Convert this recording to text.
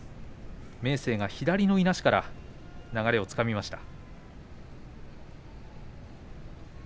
明生が左のいなしから流れをつかみました。